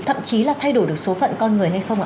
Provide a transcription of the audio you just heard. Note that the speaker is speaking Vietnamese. thậm chí là thay đổi được số phận con người hay không ạ